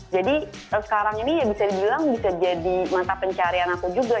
jadi sekarang ini ya bisa dibilang bisa jadi mata pencarian aku juga